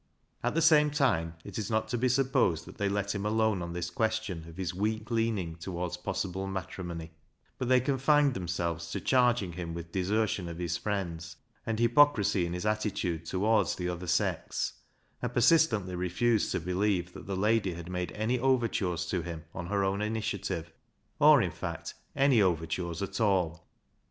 At the same time it is not to be supposed that they let him alone on this question of his weak leaning towards possible matrimony ; but they confined themselves to charging him with desertion of his friends, and hypocrisy in his attitude towards the other sex, and persistently refused to believe that the lady had made any overtures to him on her own initiative, or in fact an} overtures at all.